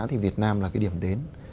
thì việt nam là cái điểm đến